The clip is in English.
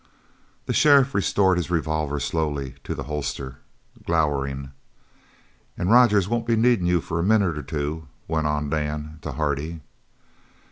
The sheriff restored his revolver slowly to the holster, glowering. "An' Rogers won't be needin' you for a minute or two," went on Dan to Hardy.